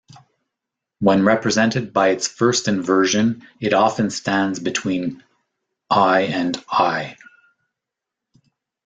When represented by its first inversion it often stands between I and I.